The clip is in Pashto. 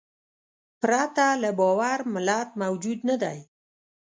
پرته له باور ملت موجود نهدی.